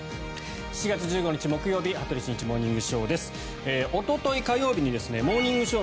７月１５日、木曜日「羽鳥慎一モーニングショー」。